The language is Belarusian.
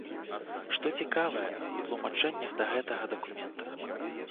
Што цікавае ў тлумачэннях да гэтага дакумента?